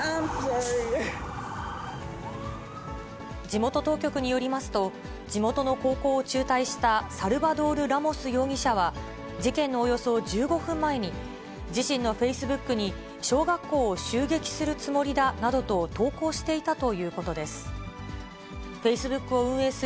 地元当局によりますと、地元の高校を中退したサルバドール・ラモス容疑者は、事件のおよそ１５分前に、自身のフェイスブックに、小学校を襲撃するつもりだなどと投稿していたということです。